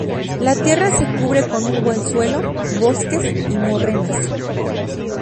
La tierra se cubre con un buen suelo, bosques y morrenas.